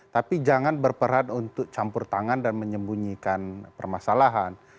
tapi jangan berperan untuk campur tangan dan menyembunyikan permasalahan